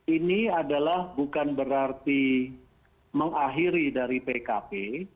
ini adalah bukan berarti mengakhiri dari pkp